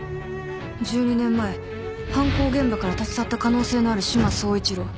１２年前犯行現場から立ち去った可能性のある志摩総一郎。